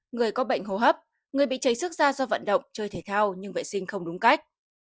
người có bệnh hô hấp người bị cháy sức ra do vận động chơi thể thao nhưng vệ sinh không đúng cách